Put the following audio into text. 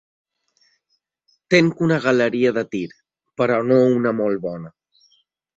Tinc una galeria de tir, però no una molt bona.